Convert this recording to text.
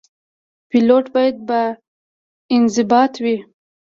پیلوټ باید باانضباط وي.